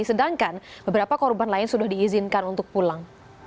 sedangkan beberapa korban lain sudah diizinkan untuk pulang